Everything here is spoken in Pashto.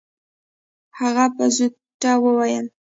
هغې په زوټه وويل.